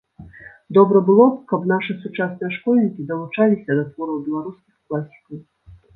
Добра было б, каб нашы сучасныя школьнікі далучаліся да твораў беларускіх класікаў.